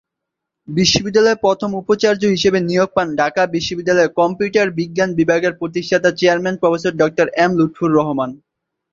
বিশ্ববিদ্যালয়ের প্রথম উপাচার্য হিসেবে নিয়োগ পান ঢাকা বিশ্ববিদ্যালয়ের কম্পিউটার বিজ্ঞান বিভাগের প্রতিষ্ঠাতা chairman professor doctor M Lutfur Rahman.